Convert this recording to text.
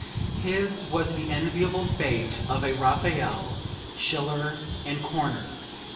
His was the enviable fate of a Raphael, Schiller and Korner.